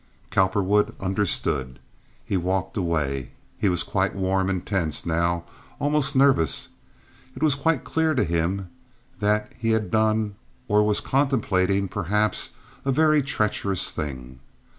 Cowperwood understood. He walked away. He was quite warm and tense now—almost nervous. It was quite clear to him that he had done or was contemplating perhaps a very treacherous thing.